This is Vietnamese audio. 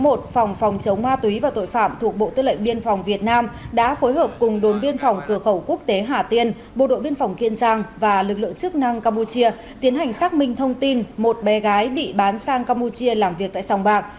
bộ phòng phòng chống ma túy và tội phạm thuộc bộ tư lệnh biên phòng việt nam đã phối hợp cùng đồn biên phòng cửa khẩu quốc tế hà tiên bộ đội biên phòng kiên giang và lực lượng chức năng campuchia tiến hành xác minh thông tin một bé gái bị bán sang campuchia làm việc tại sòng bạc